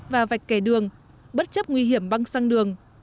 và vạch kẻ đường bất chấp nguy hiểm băng sang đường